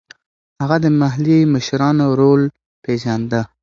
هغه د محلي مشرانو رول پېژانده.